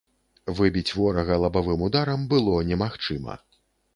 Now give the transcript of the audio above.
Выбіць ворага лабавым ударам было немагчыма.